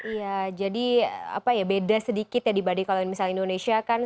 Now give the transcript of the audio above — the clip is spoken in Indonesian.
iya jadi apa ya beda sedikit ya dibanding kalau misalnya indonesia kan